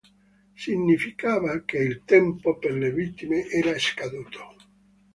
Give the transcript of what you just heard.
Significava che il tempo per le vittime era scaduto.